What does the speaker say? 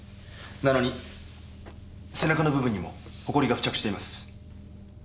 なのに背中の部分にもほこりが付着しています。